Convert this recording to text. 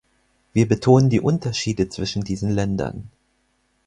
Wir betonen die Unterschiede zwischen diesen Ländern.